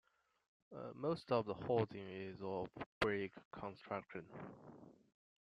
Most of the housing is of brick construction.